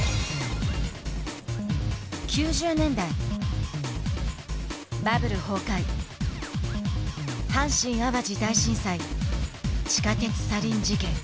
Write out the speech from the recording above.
９０年代バブル崩壊阪神・淡路大震災地下鉄サリン事件。